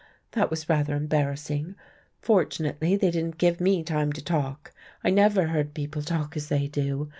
That was rather embarrassing. Fortunately they didn't give me time to talk, I never heard people talk as they do.